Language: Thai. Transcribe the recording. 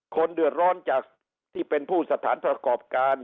คนเดือดร้อนจากที่เป็นผู้สถานประกอบการ